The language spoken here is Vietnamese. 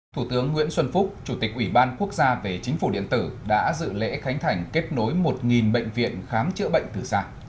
thủ tướng nguyễn xuân phúc chủ tịch ủy ban quốc gia về chính phủ điện tử đã dự lễ khánh thành kết nối một bệnh viện khám chữa bệnh từ xa